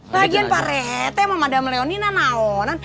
bagian pak rete sama mada melewati nanak anak